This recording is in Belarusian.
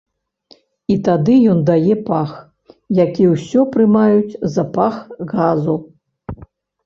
І тады ён дае пах, які ўсё прымаюць за пах газу.